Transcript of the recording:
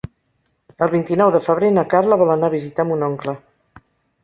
El vint-i-nou de febrer na Carla vol anar a visitar mon oncle.